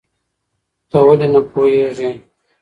ته ولې نه پوهېږې؟